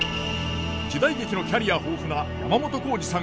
時代劇のキャリア豊富な山本耕史さん